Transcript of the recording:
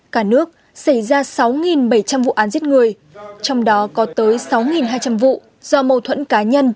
cả nước xảy ra sáu bảy trăm linh vụ án giết người trong đó có tới sáu hai trăm linh vụ do mâu thuẫn cá nhân